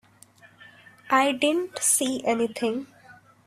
I didn't see anything.